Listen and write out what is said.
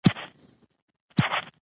زه د سولي او امن ملاتړ کوم.